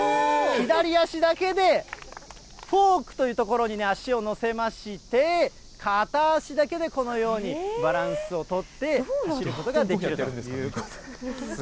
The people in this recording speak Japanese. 左足だけでフォークという所にね、足を乗せまして、片足だけでこのようにバランスを取って、走ることができるということなんです。